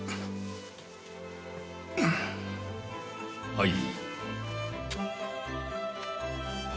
はい。